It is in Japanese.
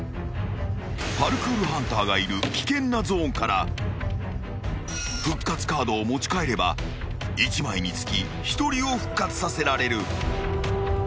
［パルクールハンターがいる危険なゾーンから復活カードを持ち帰れば１枚につき１人を復活させられる］